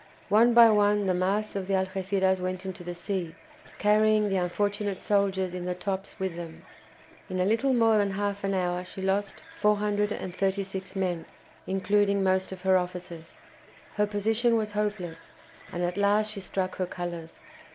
One by one the masts of the "Algéciras" went into the sea, carrying the unfortunate soldiers in the tops with them. In a little more than half an hour she lost 436 men, including most of her officers. Her position was hopeless, and at last she struck her colours.